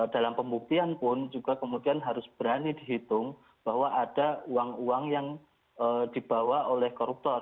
dalam pembuktian pun juga kemudian harus berani dihitung bahwa ada uang uang yang dibawa oleh koruptor